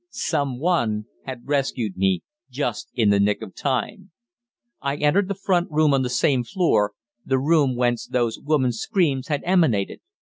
Some one had rescued me just in the nick of time. I entered the front room on the same floor, the room whence those woman's screams had emanated.